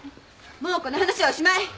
もうこの話はおしまい！